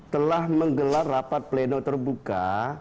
telah menggelar rapat pleno terbuka